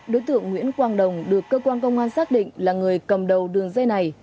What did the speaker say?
đối tượng nguyễn quang đồng được cơ quan công an xác định là người cầm đầu đường dây này